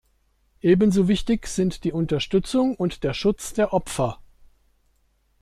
Ebenso wichtig sind die Unterstützung und der Schutz der Opfer.